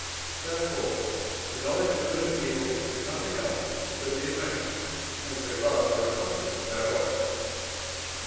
Therefore the knowledge of good and evil is nothing else but the emotion, in so far as we are conscious thereof.